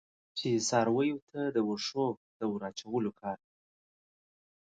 چې څارویو ته د وښو د ور اچولو کار.